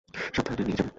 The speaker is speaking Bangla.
সাবধানে নিয়ে যাবে।